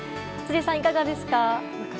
辻さん、いかがですか？